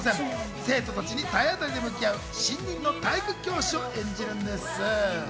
生徒たちに体当たり向き合う、新任の体育教師を演じるんです。